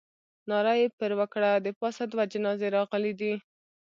ناره یې پر وکړه. د پاسه دوه جنازې راغلې دي.